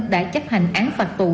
đã chấp hành án phạt tù